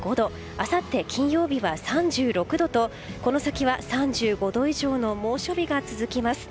明後日金曜日は３６度とこの先は３５度以上の猛暑日が続きます。